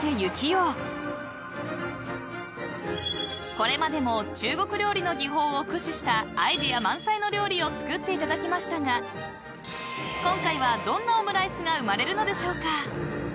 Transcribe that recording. ［これまでも中国料理の技法を駆使したアイデア満載の料理を作っていただきましたが今回はどんなオムライスが生まれるのでしょうか？］